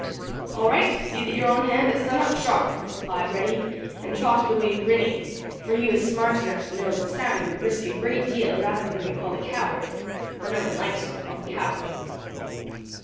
"All right, see that you are on hand at sun up sharp," replied Reddy and trotted away grinning, for he was smart enough to know that Sammy would risk a great deal rather than be called a coward, for no one likes to be called a coward.